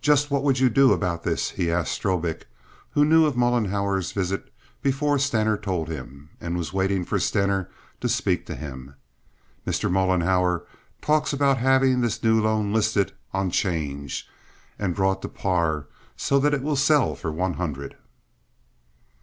"Just what would you do about this?" he asked of Strobik, who knew of Mollenhauer's visit before Stener told him, and was waiting for Stener to speak to him. "Mr. Mollenhauer talks about having this new loan listed on 'change and brought to par so that it will sell for one hundred."